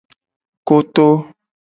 Koto.